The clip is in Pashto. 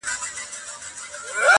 جهاني به پر لکړه پر کوڅو د جانان ګرځي.!